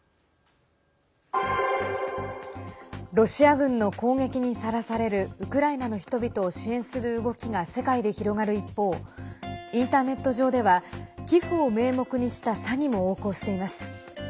ロシア軍の攻撃にさらされるウクライナの人々を支援する動きが世界で広がる一方インターネット上では寄付を名目にした詐欺も横行しています。